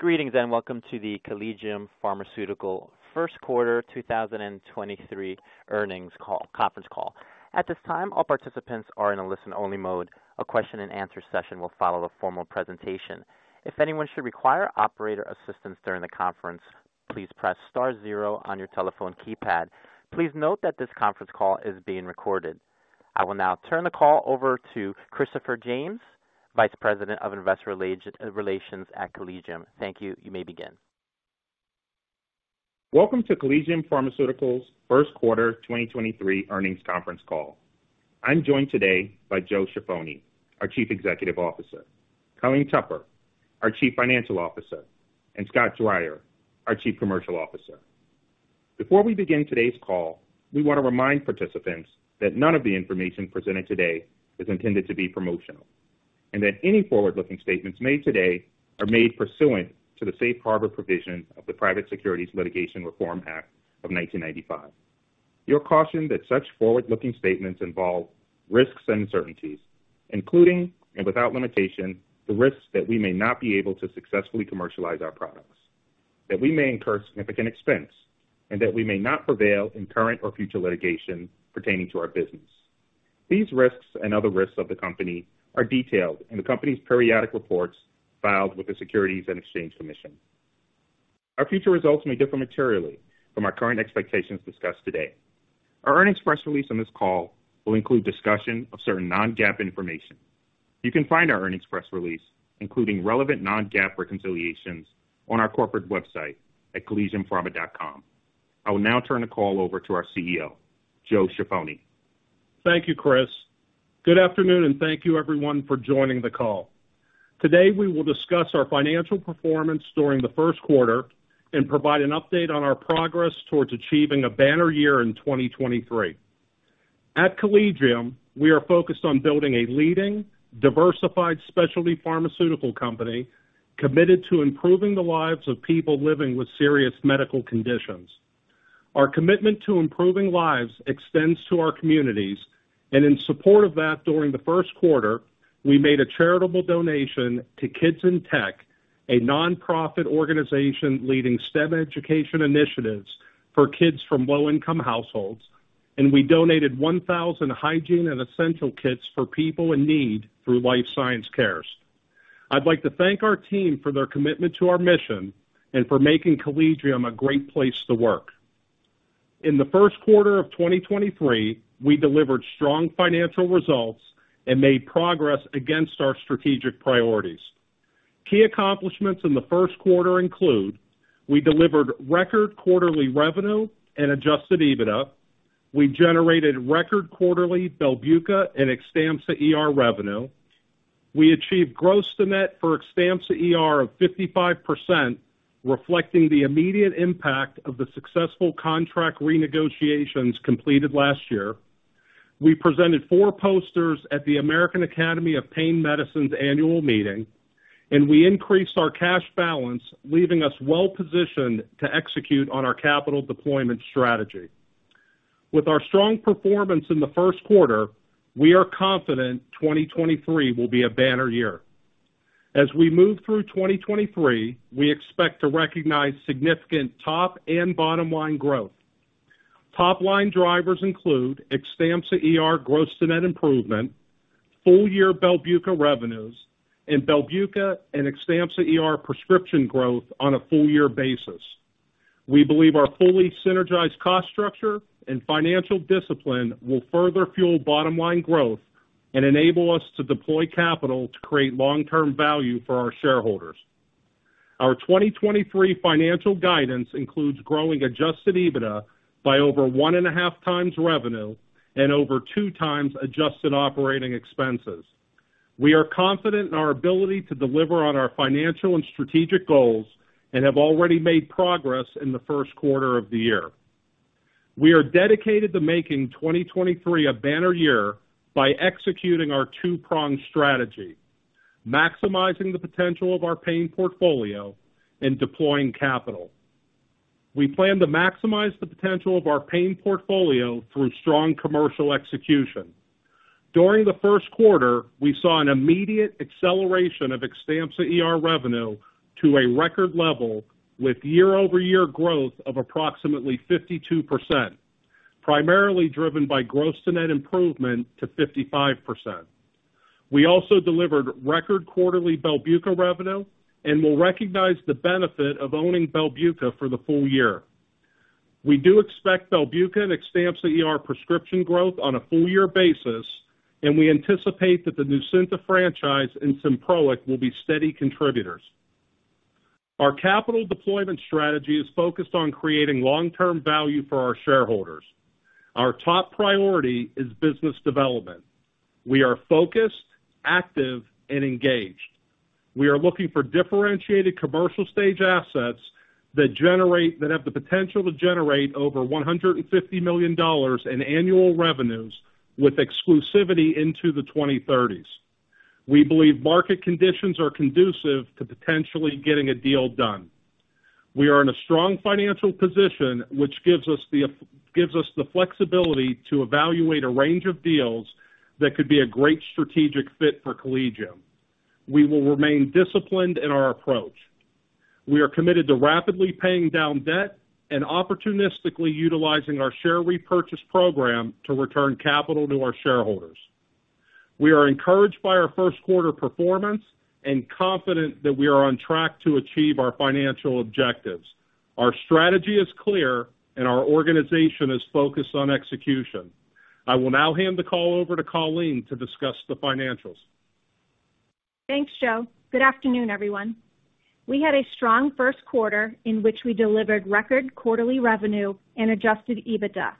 Greetings, and welcome to the Collegium Pharmaceutical First Quarter 2023 Earnings Call, Conference Call. At this time, all participants are in a listen-only mode. A question and answer session will follow the formal presentation. If anyone should require operator assistance during the conference, please press star zero on your telephone keypad. Please note that this conference call is being recorded. I will now turn the call over to Christopher James, Vice President of Investor Relations at Collegium. Thank you. You may begin. Welcome to Collegium Pharmaceuticals' First Quarter 2023 Earnings Conference Call. I'm joined today by Joe Ciaffoni, our Chief Executive Officer, Colleen Tupper, our Chief Financial Officer, and Scott Dreyer, our Chief Commercial Officer. Before we begin today's call, we wanna remind participants that none of the information presented today is intended to be promotional, and that any forward-looking statements made today are made pursuant to the safe harbor provisions of the Private Securities Litigation Reform Act of 1995. You're cautioned that such forward-looking statements involve risks and uncertainties, including, and without limitation, the risk that we may not be able to successfully commercialize our products, that we may incur significant expense, and that we may not prevail in current or future litigation pertaining to our business. These risks and other risks of the company are detailed in the company's periodic reports filed with the Securities and Exchange Commission. Our future results may differ materially from our current expectations discussed today. Our earnings press release on this call will include discussion of certain non-GAAP information. You can find our earnings press release, including relevant non-GAAP reconciliations, on our corporate website at collegiumpharma.com. I will now turn the call over to our CEO, Joe Ciaffoni. Thank you, Chris. Good afternoon. Thank you everyone for joining the call. Today, we will discuss our financial performance during the first quarter and provide an update on our progress towards achieving a banner year in 2023. At Collegium, we are focused on building a leading, diversified specialty pharmaceutical company committed to improving the lives of people living with serious medical conditions. Our commitment to improving lives extends to our communities, and in support of that, during the first quarter, we made a charitable donation to Kids in Tech, a nonprofit organization leading STEM education initiatives for kids from low-income households. We donated 1,000 hygiene and essential kits for people in need through Life Science Cares. I'd like to thank our team for their commitment to our mission and for making Collegium a great place to work. In the first quarter of 2023, we delivered strong financial results and made progress against our strategic priorities. Key accomplishments in the first quarter include we delivered record quarterly revenue and adjusted EBITDA. We generated record quarterly Belbuca and Xtampza ER revenue. We achieved gross to net for Xtampza ER of 55%, reflecting the immediate impact of the successful contract renegotiations completed last year. We presented four posters at the American Academy of Pain Medicine's annual meeting. We increased our cash balance, leaving us well-positioned to execute on our capital deployment strategy. With our strong performance in the first quarter, we are confident 2023 will be a banner year. As we move through 2023, we expect to recognize significant top and bottom-line growth. Top line drivers include Xtampza ER gross to net improvement, full year Belbuca revenues, and Belbuca and Xtampza ER prescription growth on a full year basis. We believe our fully synergized cost structure and financial discipline will further fuel bottom line growth and enable us to deploy capital to create long-term value for our shareholders. Our 2023 financial guidance includes growing adjusted EBITDA by over 1.5x revenue and over 2x adjusted operating expenses. We are confident in our ability to deliver on our financial and strategic goals and have already made progress in the first quarter of the year. We are dedicated to making 2023 a banner year by executing our two-pronged strategy, maximizing the potential of our pain portfolio and deploying capital. We plan to maximize the potential of our pain portfolio through strong commercial execution. During the first quarter, we saw an immediate acceleration of Xtampza ER revenue to a record level with year-over-year growth of approximately 52%, primarily driven by gross to net improvement to 55%. We also delivered record quarterly Belbuca revenue and will recognize the benefit of owning Belbuca for the full year. We do expect Belbuca and Xtampza ER prescription growth on a full year basis. We anticipate that the Nucynta franchise and Symproic will be steady contributors. Our capital deployment strategy is focused on creating long-term value for our shareholders. Our top priority is business development. We are focused, active, and engaged. We are looking for differentiated commercial stage assets that have the potential to generate over $150 million in annual revenues with exclusivity into the 2030s. We believe market conditions are conducive to potentially getting a deal done. We are in a strong financial position, which gives us the flexibility to evaluate a range of deals that could be a great strategic fit for Collegium. We will remain disciplined in our approach. We are committed to rapidly paying down debt and opportunistically utilizing our share repurchase program to return capital to our shareholders. We are encouraged by our first quarter performance and confident that we are on track to achieve our financial objectives. Our strategy is clear and our organization is focused on execution. I will now hand the call over to Colleen to discuss the financials. Thanks, Joe. Good afternoon, everyone. We had a strong first quarter in which we delivered record quarterly revenue and adjusted EBITDA,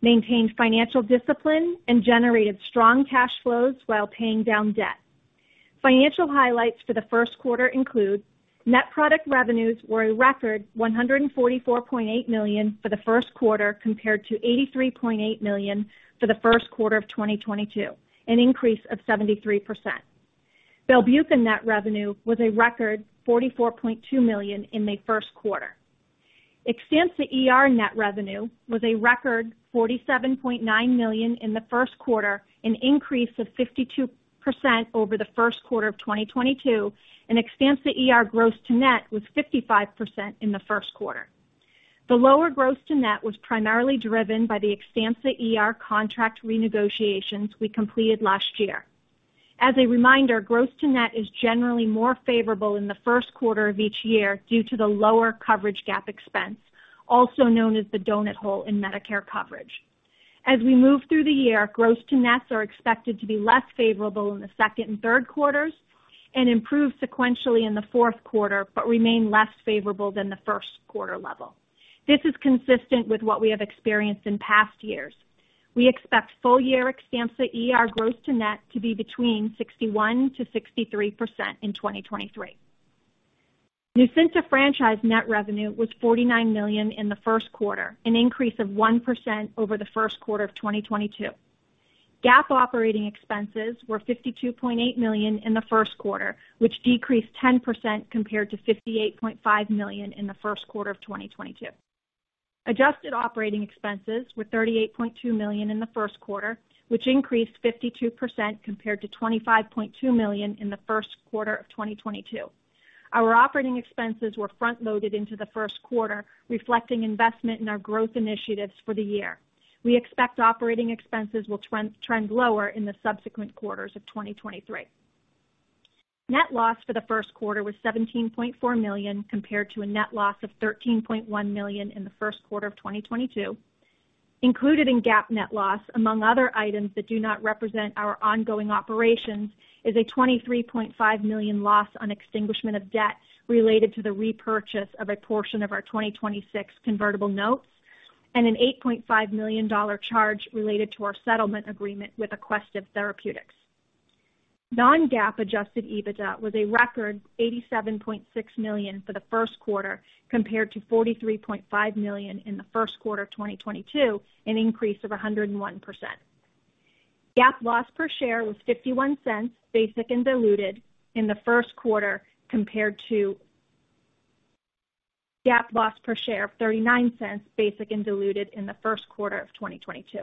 maintained financial discipline, and generated strong cash flows while paying down debt. Financial highlights for the first quarter include net product revenues were a record $144.8 million for the first quarter, compared to $83.8 million for the first quarter of 2022, an increase of 73%. Belbuca net revenue was a record $44.2 million in the first quarter. Xtampza ER net revenue was a record $47.9 million in the first quarter, an increase of 52% over the first quarter of 2022. Xtampza ER gross to net was 55% in the first quarter. The lower gross to net was primarily driven by the Xtampza ER contract renegotiations we completed last year. As a reminder, gross to net is generally more favorable in the first quarter of each year due to the lower coverage gap expense, also known as the donut hole in Medicare coverage. As we move through the year, gross to nets are expected to be less favorable in the second and third quarters and improve sequentially in the fourth quarter, but remain less favorable than the first quarter level. This is consistent with what we have experienced in past years. We expect full year Xtampza ER gross to net to be between 61%-63% in 2023. Nucynta franchise net revenue was $49 million in the first quarter, an increase of 1% over the first quarter of 2022. GAAP operating expenses were $52.8 million in the first quarter, which decreased 10% compared to $58.5 million in the first quarter of 2022. Adjusted operating expenses were $38.2 million in the first quarter, which increased 52% compared to $25.2 million in the first quarter of 2022. Our operating expenses were front-loaded into the first quarter, reflecting investment in our growth initiatives for the year. We expect operating expenses will trend lower in the subsequent quarters of 2023. Net loss for the first quarter was $17.4 million compared to a net loss of $13.1 million in the first quarter of 2022. Included in GAAP net loss, among other items that do not represent our ongoing operations, is a $23.5 million loss on extinguishment of debt related to the repurchase of a portion of our 2026 convertible notes and an $8.5 million charge related to our settlement agreement with Aquestive Therapeutics. Non-GAAP adjusted EBITDA was a record $87.6 million for the first quarter compared to $43.5 million in the first quarter of 2022, an increase of 101%. GAAP loss per share was $0.51 basic and diluted in the first quarter compared to GAAP loss per share of $0.39 basic and diluted in the first quarter of 2022.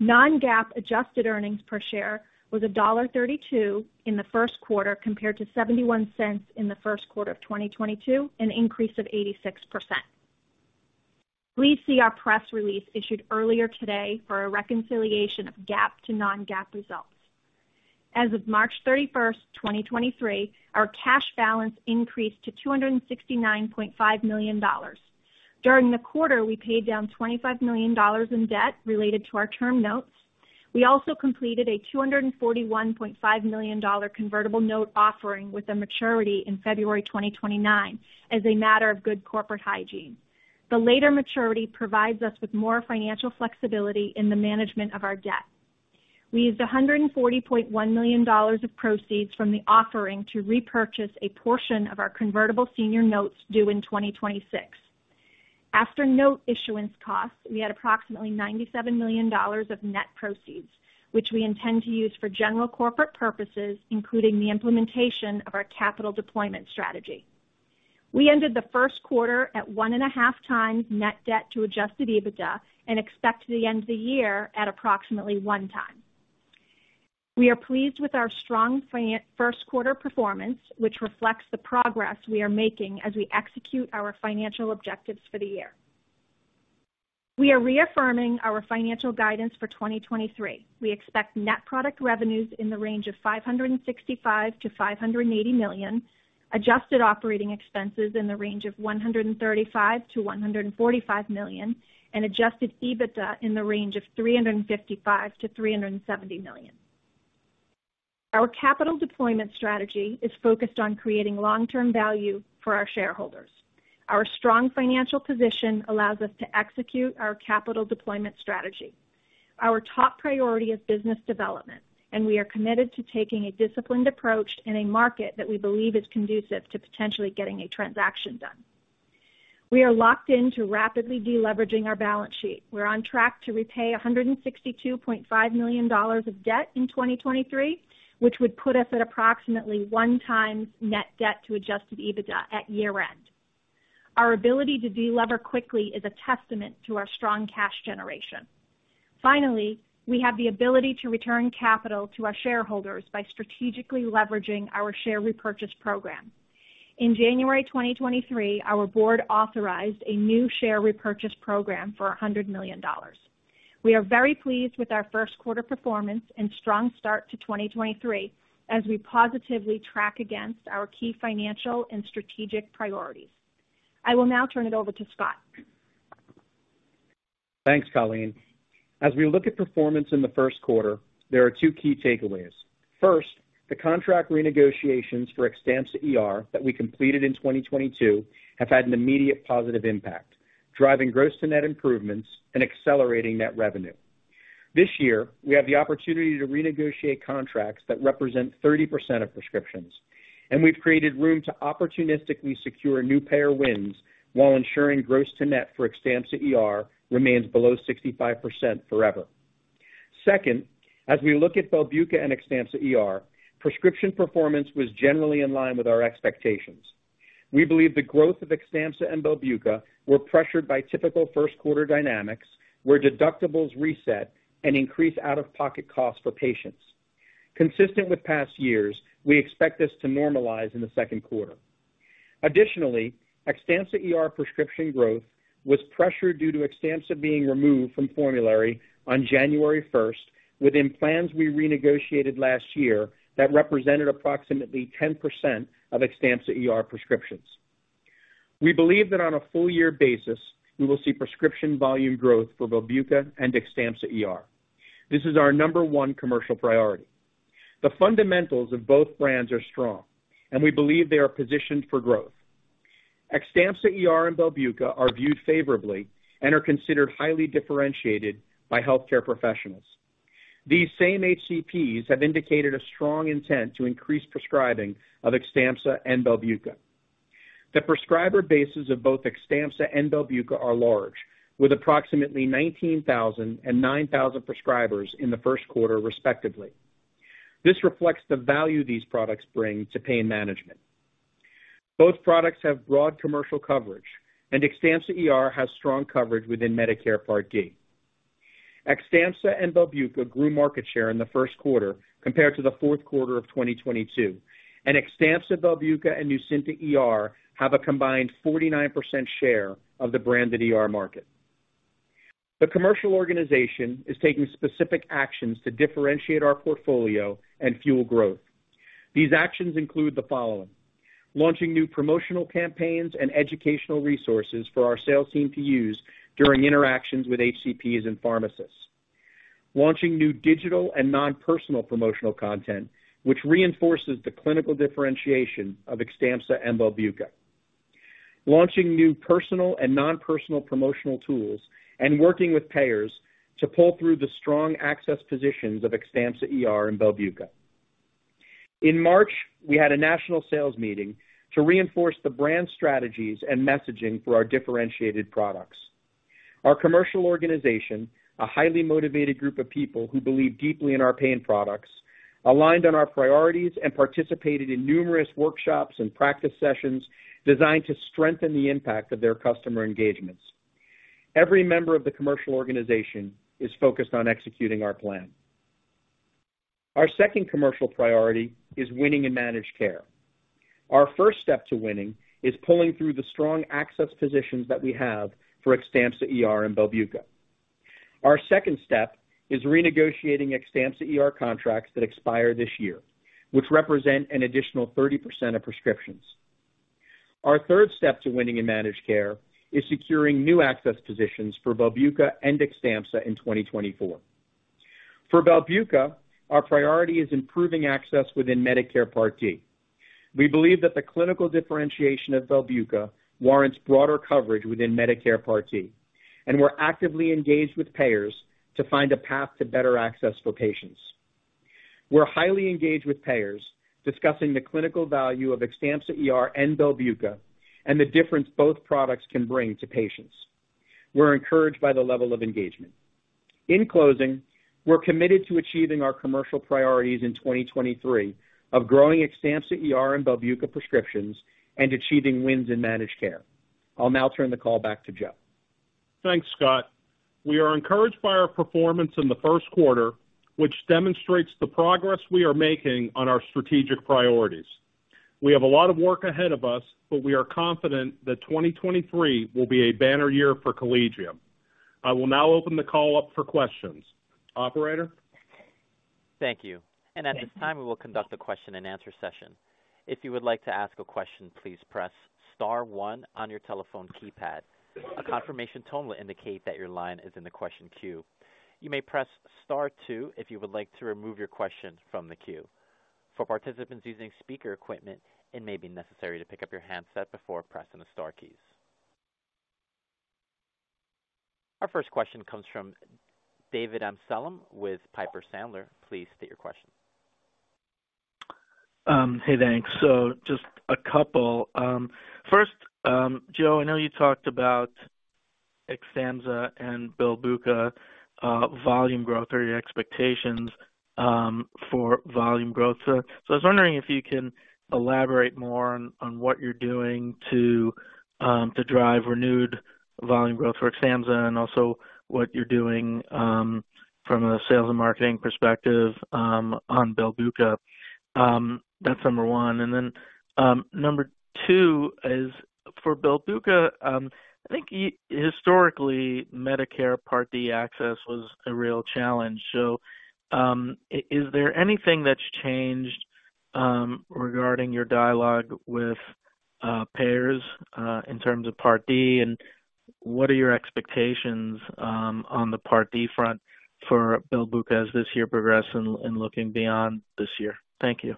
Non-GAAP adjusted earnings per share was $1.32 in the first quarter compared to $0.71 in the first quarter of 2022, an increase of 86%. Please see our press release issued earlier today for a reconciliation of GAAP to non-GAAP results. As of March 31st, 2023, our cash balance increased to $269.5 million. During the quarter, we paid down $25 million in debt related to our term notes. We also completed a $241.5 million convertible note offering with a maturity in February 2029 as a matter of good corporate hygiene. The later maturity provides us with more financial flexibility in the management of our debt. We used $140.1 million of proceeds from the offering to repurchase a portion of our convertible senior notes due in 2026. After note issuance costs, we had approximately $97 million of net proceeds, which we intend to use for general corporate purposes, including the implementation of our capital deployment strategy. We ended the first quarter at 1.5x net debt to adjusted EBITDA and expect the end of the year at approximately 1x. We are pleased with our strong first quarter performance, which reflects the progress we are making as we execute our financial objectives for the year. We are reaffirming our financial guidance for 2023. We expect net product revenues in the range of $565 million-$580 million, adjusted operating expenses in the range of $135 million-$145 million, and adjusted EBITDA in the range of $355 million-$370 million. Our capital deployment strategy is focused on creating long-term value for our shareholders. Our strong financial position allows us to execute our capital deployment strategy. Our top priority is business development. We are committed to taking a disciplined approach in a market that we believe is conducive to potentially getting a transaction done. We are locked in to rapidly deleveraging our balance sheet. We're on track to repay $162.5 million of debt in 2023, which would put us at approximately 1x net debt to adjusted EBITDA at year-end. Our ability to delever quickly is a testament to our strong cash generation. Finally, we have the ability to return capital to our shareholders by strategically leveraging our share repurchase program. In January 2023, our board authorized a new share repurchase program for $100 million. We are very pleased with our first quarter performance and strong start to 2023 as we positively track against our key financial and strategic priorities. I will now turn it over to Scott. Thanks, Colleen. As we look at performance in the first quarter, there are two key takeaways. First, the contract renegotiations for Xtampza ER that we completed in 2022 have had an immediate positive impact, driving gross to net improvements and accelerating net revenue. This year, we have the opportunity to renegotiate contracts that represent 30% of prescriptions, and we've created room to opportunistically secure new payer wins while ensuring gross to net for Xtampza ER remains below 65% forever. Second, as we look at Belbuca and Xtampza ER, prescription performance was generally in line with our expectations. We believe the growth of Xtampza and Belbuca were pressured by typical first quarter dynamics, where deductibles reset and increase out-of-pocket costs for patients. Consistent with past years, we expect this to normalize in the second quarter. Additionally, Xtampza ER prescription growth was pressured due to Xtampza being removed from formulary on January first within plans we renegotiated last year that represented approximately 10% of Xtampza ER prescriptions. We believe that on a full year basis, we will see prescription volume growth for Belbuca and Xtampza ER. This is our number one commercial priority. The fundamentals of both brands are strong, and we believe they are positioned for growth. Xtampza ER and Belbuca are viewed favorably and are considered highly differentiated by healthcare professionals. These same HCPs have indicated a strong intent to increase prescribing of Xtampza and Belbuca. The prescriber bases of both Xtampza and Belbuca are large, with approximately 19,000 and 9,000 prescribers in the first quarter, respectively. This reflects the value these products bring to pain management. Both products have broad commercial coverage, and Xtampza ER has strong coverage within Medicare Part D. Xtampza and Belbuca grew market share in the first quarter compared to the fourth quarter of 2022, and Xtampza, Belbuca and Nucynta ER have a combined 49% share of the branded ER market. The commercial organization is taking specific actions to differentiate our portfolio and fuel growth. These actions include the following. Launching new promotional campaigns and educational resources for our sales team to use during interactions with HCPs and pharmacists. Launching new digital and non-personal promotional content, which reinforces the clinical differentiation of Xtampza and Belbuca. Launching new personal and non-personal promotional tools and working with payers to pull through the strong access positions of Xtampza ER and Belbuca. In March, we had a national sales meeting to reinforce the brand strategies and messaging for our differentiated products. Our commercial organization, a highly motivated group of people who believe deeply in our pain products, aligned on our priorities and participated in numerous workshops and practice sessions designed to strengthen the impact of their customer engagements. Every member of the commercial organization is focused on executing our plan. Our second commercial priority is winning in managed care. Our first step to winning is pulling through the strong access positions that we have for Xtampza ER and Belbuca. Our second step is renegotiating Xtampza ER contracts that expire this year, which represent an additional 30% of prescriptions. Our third step to winning in managed care is securing new access positions for Belbuca and Xtampza in 2024. For Belbuca, our priority is improving access within Medicare Part D. We believe that the clinical differentiation of Belbuca warrants broader coverage within Medicare Part D, we're actively engaged with payers to find a path to better access for patients. We're highly engaged with payers discussing the clinical value of Xtampza ER and Belbuca and the difference both products can bring to patients. We're encouraged by the level of engagement. In closing, we're committed to achieving our commercial priorities in 2023 of growing Xtampza ER and Belbuca prescriptions and achieving wins in managed care. I'll now turn the call back to Joe. Thanks, Scott. We are encouraged by our performance in the first quarter, which demonstrates the progress we are making on our strategic priorities. We have a lot of work ahead of us, but we are confident that 2023 will be a banner year for Collegium. I will now open the call up for questions. Operator? Thank you. At this time, we will conduct a question-and-answer session. If you would like to ask a question, please press star one on your telephone keypad. A confirmation tone will indicate that your line is in the question queue. You may press star two if you would like to remove your question from the queue. For participants using speaker equipment, it may be necessary to pick up your handset before pressing the star keys. Our first question comes from David Amsellem with Piper Sandler. Please state your question. Hey, thanks. Just a couple. First, Joe, I know you talked about Xtampza and Belbuca volume growth or your expectations for volume growth. I was wondering if you can elaborate more on what you're doing to drive renewed volume growth for Xtampza and also what you're doing from a sales and marketing perspective on Belbuca. That's number one. Number two is for Belbuca, I think historically, Medicare Part D access was a real challenge. Is there anything that's changed regarding your dialogue with payers in terms of Part D? What are your expectations on the Part D front for Belbuca as this year progresses and looking beyond this year? Thank you.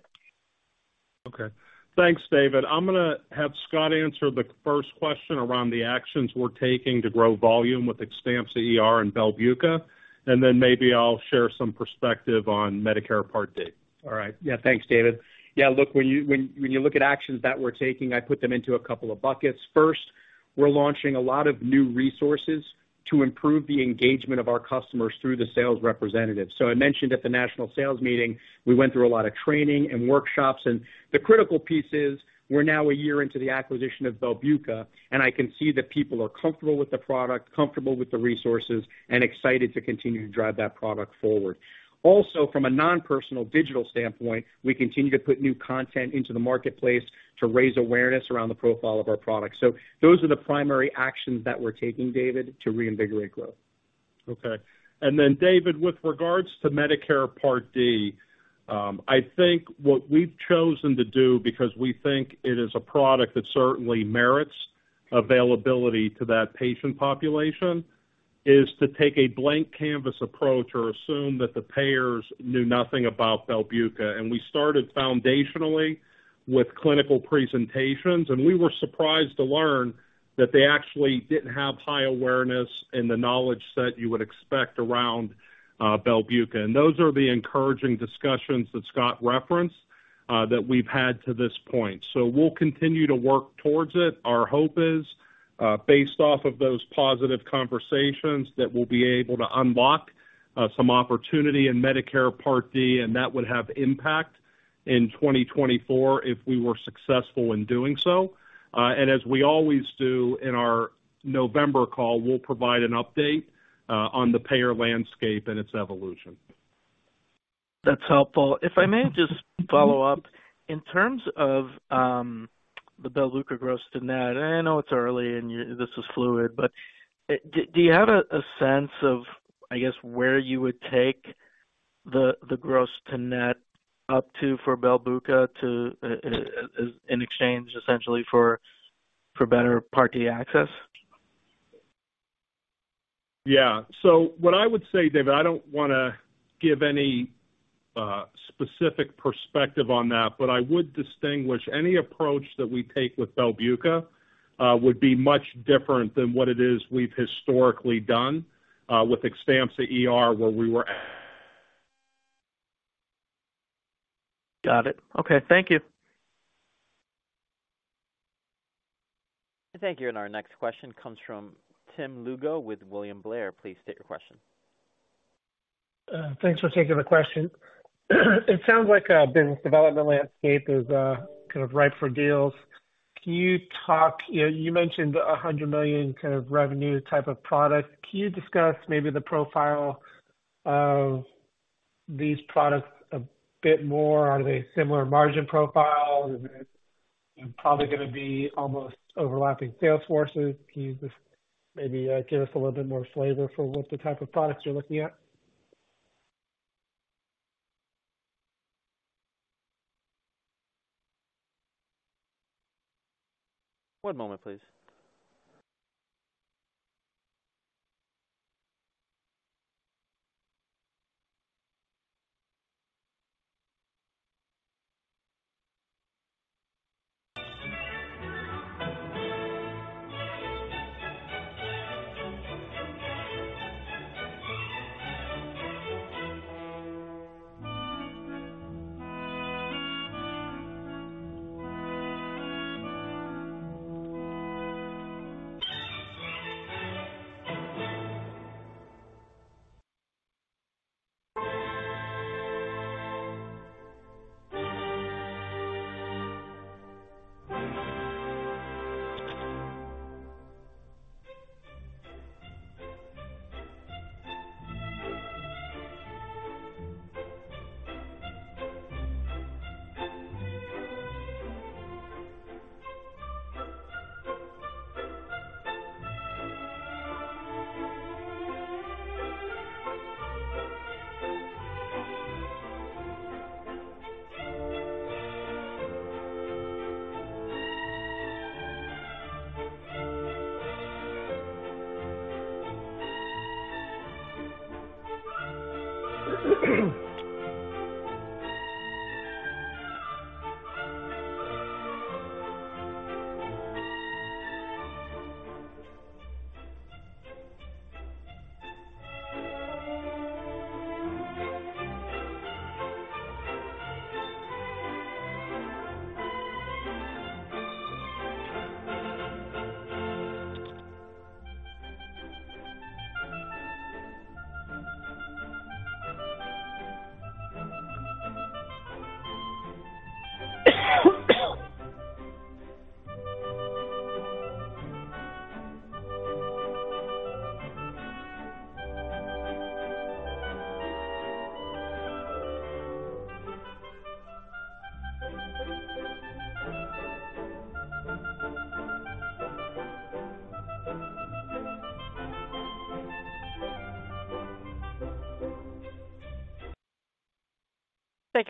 Okay. Thanks, David. I'm gonna have Scott answer the first question around the actions we're taking to grow volume with Xtampza ER and Belbuca, and then maybe I'll share some perspective on Medicare Part D. All right. Thanks, David. Look, when you look at actions that we're taking, I put them into a couple of buckets. First, we're launching a lot of new resources to improve the engagement of our customers through the sales representatives. I mentioned at the national sales meeting, we went through a lot of training and workshops, and the critical piece is we're now a year into the acquisition of Belbuca, and I can see that people are comfortable with the product, comfortable with the resources, and excited to continue to drive that product forward. From a non-personal digital standpoint, we continue to put new content into the marketplace to raise awareness around the profile of our products. Those are the primary actions that we're taking, David, to reinvigorate growth. Okay. David, with regards to Medicare Part D, I think what we've chosen to do because we think it is a product that certainly merits availability to that patient population, is to take a blank canvas approach or assume that the payers knew nothing about Belbuca. We started foundationally with clinical presentations, and we were surprised to learn that they actually didn't have high awareness in the knowledge set you would expect around Belbuca. Those are the encouraging discussions that Scott referenced that we've had to this point. We'll continue to work towards it. Our hope is, based off of those positive conversations, that we'll be able to unlock some opportunity in Medicare Part D, and that would have impact in 2024 if we were successful in doing so. As we always do in our November call, we'll provide an update on the payer landscape and its evolution. That's helpful. If I may just follow up. In terms of the Belbuca gross to net, and I know it's early and this is fluid, but do you have a sense of, I guess, where you would take the gross to net up to for Belbuca to, in exchange essentially for better Part D access? Yeah. What I would say, David, I don't wanna give any specific perspective on that, but I would distinguish any approach that we take with Belbuca, would be much different than what it is we've historically done with Xtampza ER, where we were at. Got it. Okay. Thank you. Thank you. Our next question comes from Tim Lugo with William Blair. Please state your question. Thanks for taking the question. It sounds like business development landscape is kind of ripe for deals. You mentioned $100 million kind of revenue type of product. Can you discuss maybe the profile of these products a bit more? Are they similar margin profiles? Is it probably gonna be almost overlapping sales forces? Can you just maybe give us a little bit more flavor for what the type of products you're looking at? One moment, please. Thank you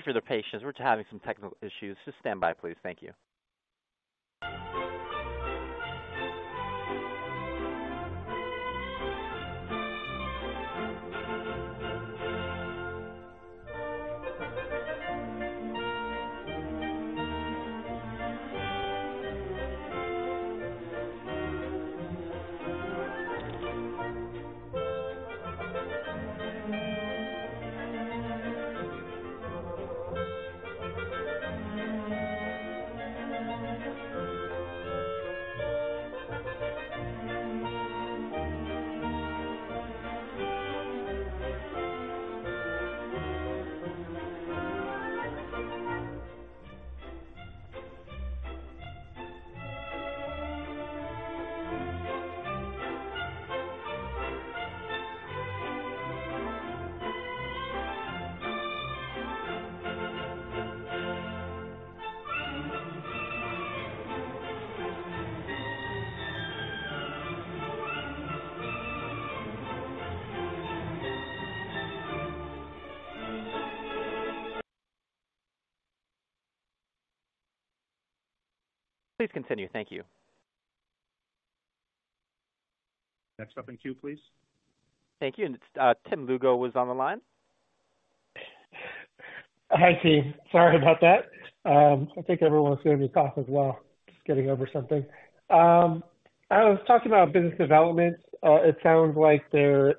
for the patience. We're having some technical issues. Just stand by, please. Thank you. Please continue. Thank you. Next up in queue, please. Thank you. It's Tim Lugo was on the line. Hi, team. Sorry about that. I think everyone's hearing me cough as well, just getting over something. I was talking about business development. It sounds like there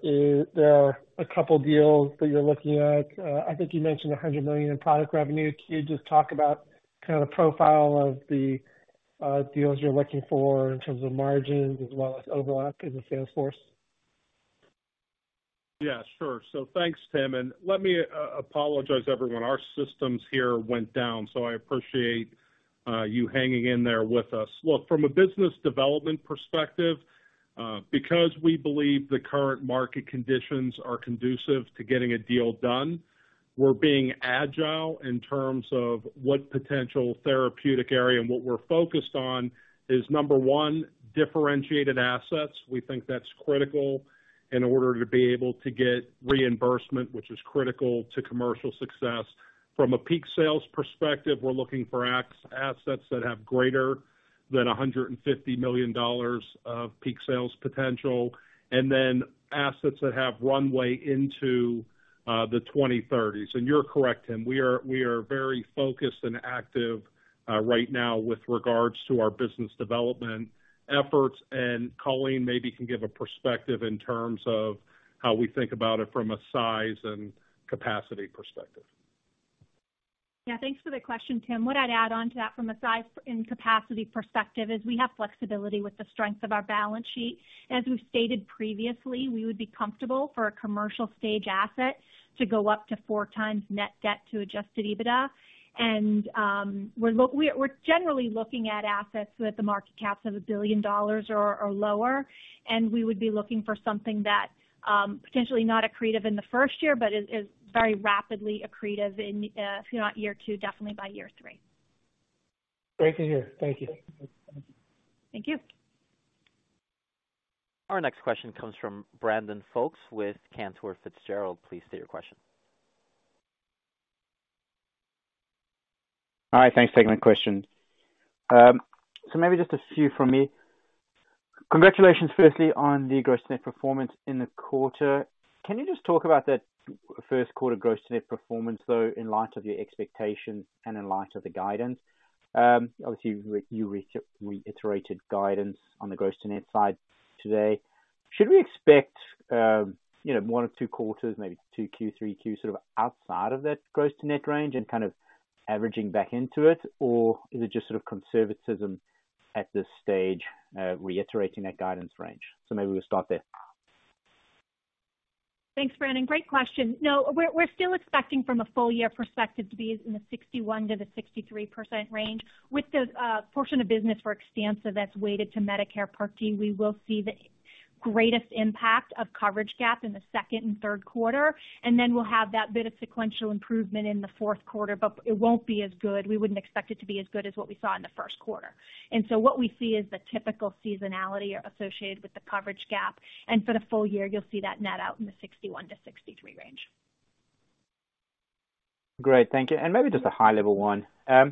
are a couple deals that you're looking at. I think you mentioned $100 million in product revenue. Can you just talk about kind of the profile of the deals you're looking for in terms of margins as well as overlap in the sales force? Yeah, sure. Thanks, Tim, and let me apologize everyone. Our systems here went down, so I appreciate you hanging in there with us. Look, from a business development perspective, because we believe the current market conditions are conducive to getting a deal done, we're being agile in terms of what potential therapeutic area. What we're focused on is, number one, differentiated assets. We think that's critical in order to be able to get reimbursement, which is critical to commercial success. From a peak sales perspective, we're looking for assets that have greater than $150 million of peak sales potential, and then assets that have runway into the 2030s. You're correct, Tim. We are very focused and active right now with regards to our business development efforts. Colleen maybe can give a perspective in terms of how we think about it from a size and capacity perspective. Yeah, thanks for the question, Tim. What I'd add onto that from a size and capacity perspective is we have flexibility with the strength of our balance sheet. As we've stated previously, we would be comfortable for a commercial stage asset to go up to 4x net debt to adjusted EBITDA. We're generally looking at assets with the market caps of $1 billion or lower. We would be looking for something that potentially not accretive in the first year but is very rapidly accretive in if not year two, definitely by year three. Great to hear. Thank you. Thank you. Our next question comes from Brandon Folkes with Cantor Fitzgerald. Please state your question. All right. Thanks, taking the question. Maybe just a few from me. Congratulations firstly on the gross to net performance in the quarter. Can you just talk about that first quarter gross to net performance, though, in light of your expectations and in light of the guidance? Obviously you reiterated guidance on the gross to net side today. Should we expect, you know, one or two quarters, maybe 2Q, 3Q, sort of outside of that gross to net range and kind of averaging back into it? Is it just sort of conservatism at this stage, reiterating that guidance range? Maybe we'll start there. Thanks, Brandon. Great question. No, we're still expecting from a full year perspective to be in the 61%-63% range. With the portion of business for Xtampza that's weighted to Medicare Part D, we will see the greatest impact of coverage gap in the second and third quarter, and then we'll have that bit of sequential improvement in the fourth quarter, but it won't be as good. We wouldn't expect it to be as good as what we saw in the first quarter. What we see is the typical seasonality associated with the coverage gap. For the full year, you'll see that net out in the 61%-63% range. Great. Thank you. Maybe just a high level one. I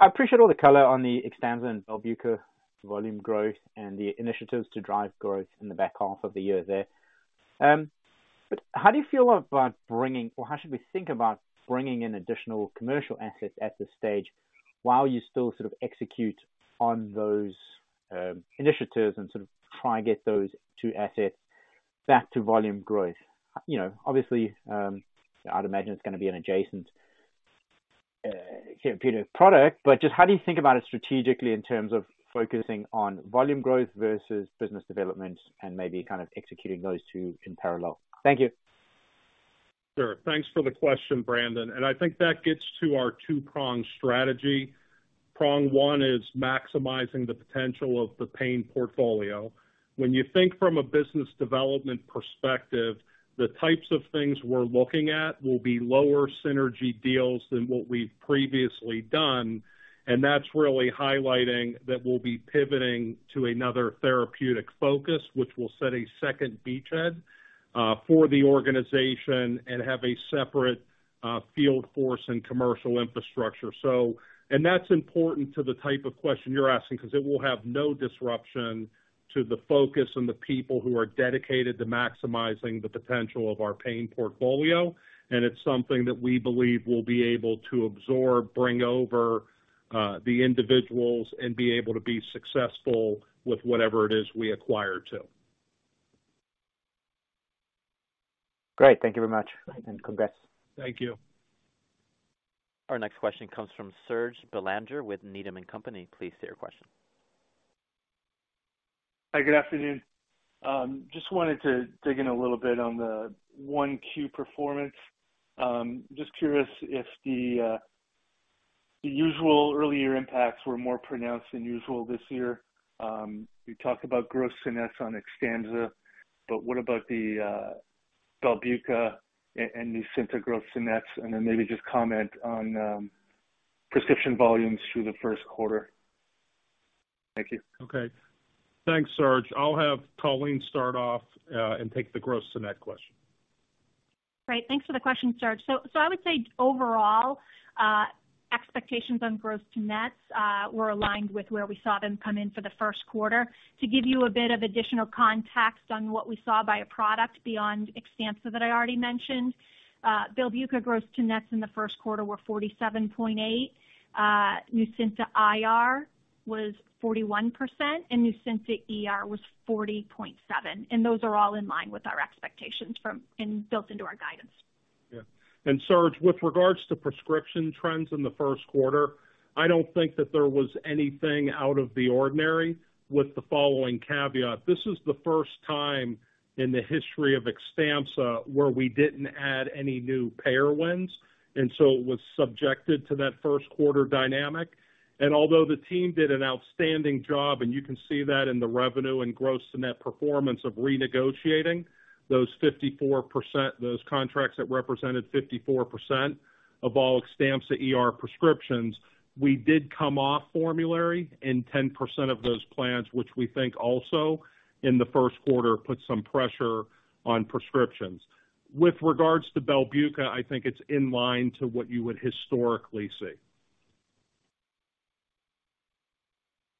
appreciate all the color on the Xtampza and Belbuca volume growth and the initiatives to drive growth in the back half of the year there. How do you feel about bringing or how should we think about bringing in additional commercial assets at this stage while you still sort of execute on those initiatives and sort of try and get those two assets back to volume growth? You know, obviously, I'd imagine it's gonna be an adjacent therapeutic product. Just how do you think about it strategically in terms of focusing on volume growth versus business development and maybe kind of executing those two in parallel? Thank you. Sure. Thanks for the question, Brandon, and I think that gets to our two-prong strategy. Prong one is maximizing the potential of the pain portfolio. When you think from a business development perspective, the types of things we're looking at will be lower synergy deals than what we've previously done, and that's really highlighting that we'll be pivoting to another therapeutic focus, which will set a second beachhead for the organization and have a separate field force and commercial infrastructure. That's important to the type of question you're asking 'cause it will have no disruption to the focus and the people who are dedicated to maximizing the potential of our pain portfolio. It's something that we believe we'll be able to absorb, bring over, the individuals and be able to be successful with whatever it is we acquire too. Great. Thank you very much, and congrats. Thank you. Our next question comes from Serge Belanger with Needham & Company. Please state your question. Hi, good afternoon. Just wanted to dig in a little bit on the 1Q performance. Just curious if the usual early year impacts were more pronounced than usual this year. You talked about gross nets on Xtampza, but what about the Belbuca and Nucynta gross nets? Then maybe just comment on prescription volumes through the first quarter. Thank you. Okay. Thanks, Serge. I'll have Colleen start off, and take the gross to net question. Great, thanks for the question, Serge. I would say overall, expectations on gross to nets, were aligned with where we saw them come in for the first quarter. To give you a bit of additional context on what we saw by a product beyond Xtampza that I already mentioned, Belbuca gross to nets in the first quarter were 47.8%. Nucynta IR was 41%, and Nucynta ER was 40.7%, and those are all in line with our expectations and built into our guidance. Yeah. Serge, with regards to prescription trends in the first quarter, I don't think that there was anything out of the ordinary with the following caveat. This is the first time in the history of Xtampza where we didn't add any new payer wins. It was subjected to that first quarter dynamic. Although the team did an outstanding job, and you can see that in the revenue and gross to net performance of renegotiating those 54%, those contracts that represented 54% of all Xtampza ER prescriptions, we did come off formulary in 10% of those plans, which we think also in the first quarter put some pressure on prescriptions. With regards to Belbuca, I think it's in line to what you would historically see.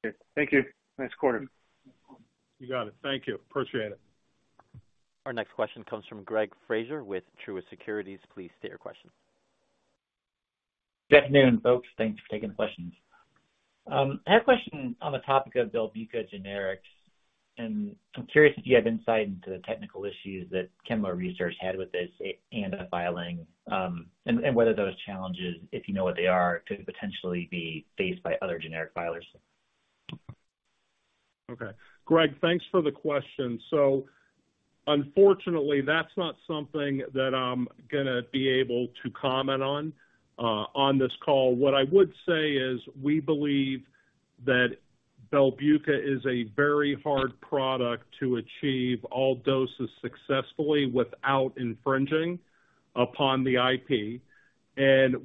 Okay. Thank you. Nice quarter. You got it. Thank you. Appreciate it. Our next question comes from Greg Fraser with Truist Securities. Please state your question. Good afternoon, folks. Thanks for taking the questions. I had a question on the topic of Belbuca generics. I'm curious if you have insight into the technical issues that Kemo Research had with this ANDA filing, and whether those challenges, if you know what they are, could potentially be faced by other generic filers. Okay. Greg, thanks for the question. Unfortunately, that's not something that I'm gonna be able to comment on this call. What I would say is we believe that Belbuca is a very hard product to achieve all doses successfully without infringing upon the IP.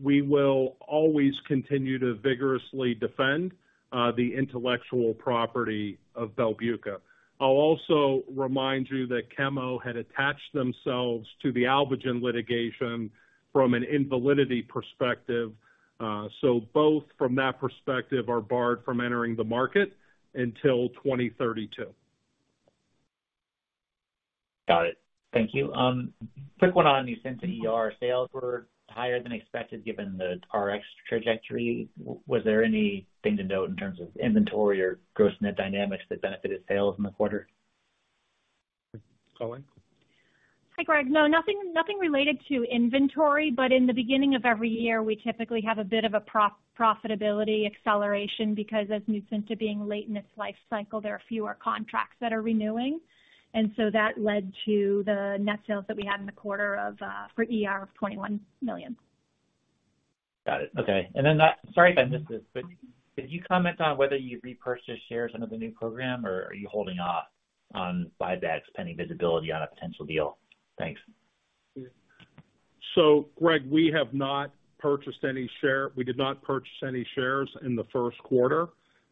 We will always continue to vigorously defend the intellectual property of Belbuca. I'll also remind you that Kemo had attached themselves to the Alvogen litigation from an invalidity perspective. Both from that perspective, are barred from entering the market until 2032. Got it. Thank you. quick one on Nucynta ER. Sales were higher than expected given the RX trajectory. Was there anything to note in terms of inventory or gross net dynamics that benefited sales in the quarter? Colleen? Hi, Greg. No, nothing related to inventory, in the beginning of every year, we typically have a bit of a profitability acceleration because as Nucynta being late in its life cycle, there are fewer contracts that are renewing. That led to the net sales that we had in the quarter for ER of $21 million. Got it. Okay. Sorry if I missed this, but could you comment on whether you repurchased shares under the new program, or are you holding off on buybacks pending visibility on a potential deal? Thanks. Greg, we have not purchased any share. We did not purchase any shares in the first quarter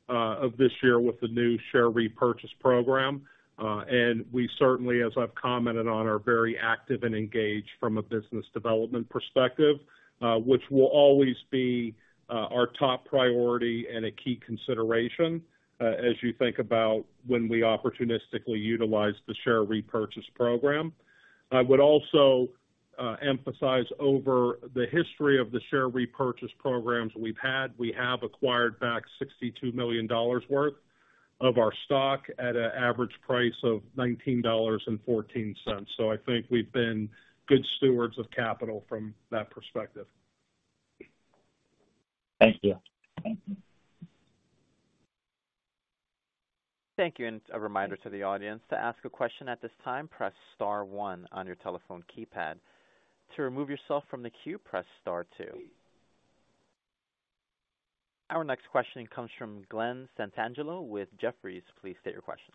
of this year with the new share repurchase program. We certainly, as I've commented on, are very active and engaged from a business development perspective, which will always be our top priority and a key consideration as you think about when we opportunistically utilize the share repurchase program. I would emphasize over the history of the share repurchase programs we've had, we have acquired back $62 million worth of our stock at an average price of $19.14. I think we've been good stewards of capital from that perspective. Thank you. Thank you. A reminder to the audience, to ask a question at this time, press star one on your telephone keypad. To remove yourself from the queue, press star two. Our next question comes from Glen Santangelo with Jefferies. Please state your question.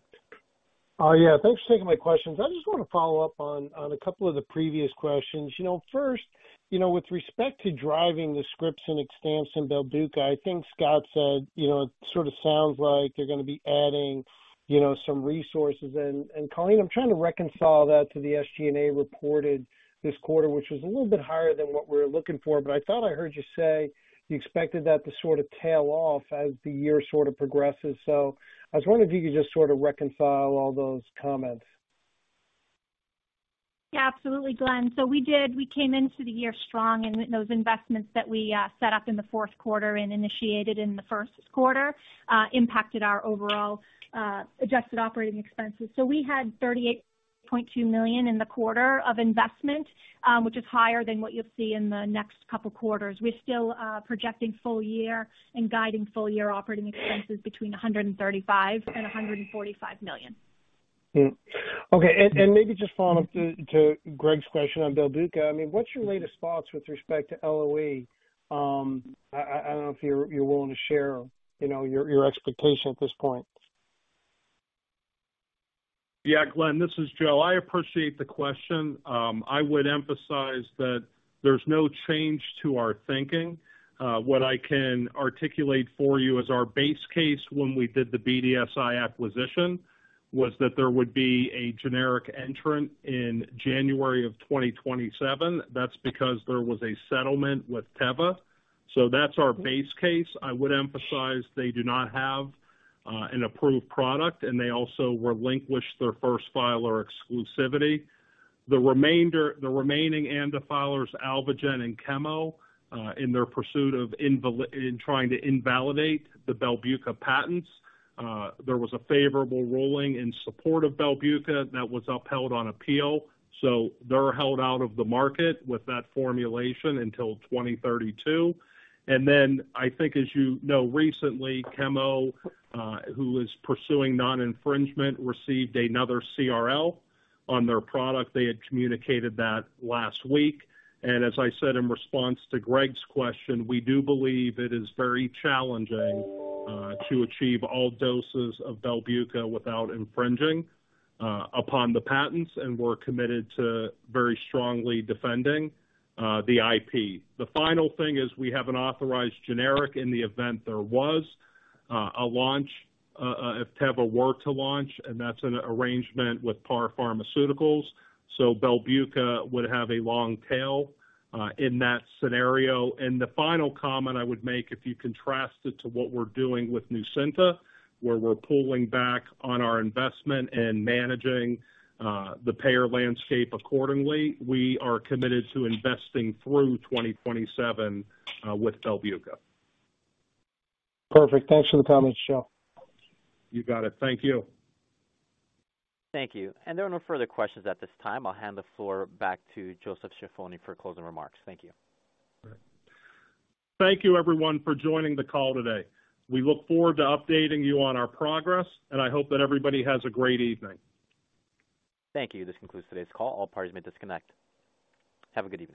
Yeah, thanks for taking my questions. I just want to follow up on a couple of the previous questions. You know, first, you know, with respect to driving the scripts in Xtampza and Belbuca, I think Scott said, you know, it sort of sounds like they're gonna be adding, you know, some resources. Colleen, I'm trying to reconcile that to the SG&A reported this quarter, which was a little bit higher than what we were looking for. I thought I heard you say you expected that to sort of tail off as the year sort of progresses. I was wondering if you could just sort of reconcile all those comments. Yeah, absolutely, Glen. We did. We came into the year strong, and those investments that we set up in the fourth quarter and initiated in the first quarter, impacted our overall adjusted operating expenses. We had $38.2 million in the quarter of investment, which is higher than what you'll see in the next couple quarters. We're still projecting full year and guiding full year operating expenses between $135 million and $145 million. Okay. Maybe just following up to Greg's question on Belbuca. I mean, what's your latest thoughts with respect to LOE? I don't know if you're willing to share, you know, your expectation at this point. Glen, this is Joe. I appreciate the question. I would emphasize that there's no change to our thinking. What I can articulate for you as our base case when we did the BDSI acquisition was that there would be a generic entrant in January of 2027. That's because there was a settlement with Teva. That's our base case. I would emphasize they do not have an approved product, and they also relinquished their first filer exclusivity. The remaining ANDA filers, Alvogen and Kemo, in their pursuit in trying to invalidate the Belbuca patents, there was a favorable ruling in support of Belbuca that was upheld on appeal. They're held out of the market with that formulation until 2032. Then I think, as you know, recently, Kemo, who is pursuing non-infringement, received another CRL on their product. They had communicated that last week. As I said in response to Greg Fraser's question, we do believe it is very challenging to achieve all doses of Belbuca without infringing upon the patents, and we're committed to very strongly defending the IP. The final thing is we have an authorized generic in the event there was a launch, if Teva were to launch, and that's an arrangement with Par Pharmaceutical. Belbuca would have a long tail in that scenario. The final comment I would make, if you contrast it to what we're doing with Nucynta, where we're pulling back on our investment and managing the payer landscape accordingly, we are committed to investing through 2027 with Belbuca. Perfect. Thanks for the comments, Joe. You got it. Thank you. Thank you. There are no further questions at this time. I'll hand the floor back to Joseph Ciaffoni for closing remarks. Thank you. Thank you everyone for joining the call today. We look forward to updating you on our progress, and I hope that everybody has a great evening. Thank you. This concludes today's call. All parties may disconnect. Have a good evening.